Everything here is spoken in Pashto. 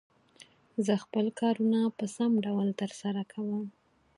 زه خپل کارونه په سم ډول تر سره کووم.